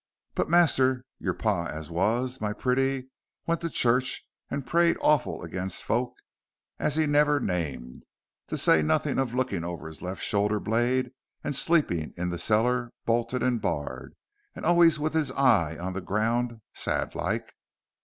But master, your par as was, my pretty, went to church and prayed awful against folk as he never named, to say nothin' of lookin' over the left shoulder blade and sleepin' in the cellar bolted and barred, and always with his eye on the ground sad like.